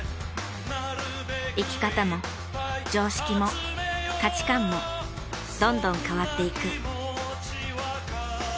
生き方も常識も価値観もどんどん変わっていく。